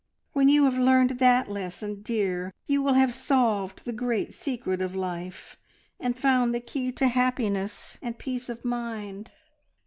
When you have learned that lesson, dear, you will have solved the great secret of life, and found the key to happiness and peace of mind."